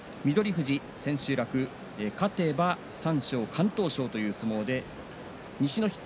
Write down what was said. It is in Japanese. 富士は千秋楽、勝てば三賞、敢闘賞という相撲です。